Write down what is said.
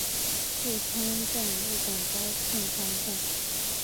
富川站日高本线上的站。